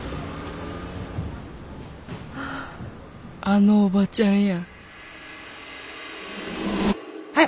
あのおばちゃんやはよ！